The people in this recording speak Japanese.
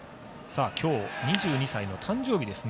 きょう２２歳の誕生日です